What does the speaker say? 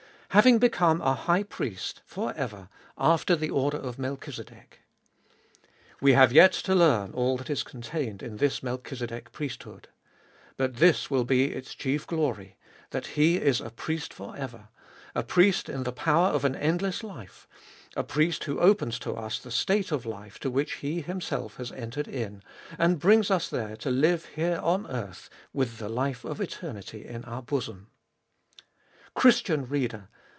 Having become a High Priest for ever after the order of Melchizedek. We have yet to learn all that is contained in this Melchizedek priesthood. But this will be its chief glory — that He is a Priest for ever, a Priest in the power of an endless life, a Priest who opens to us the state of life to which He Himself has entered in, and brings us there to live here on earth with the life of eternity in our bosom. Christian reader